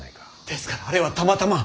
ですからあれはたまたま。